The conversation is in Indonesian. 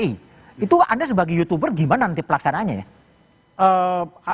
itu anda sebagai youtuber gimana nanti pelaksananya ya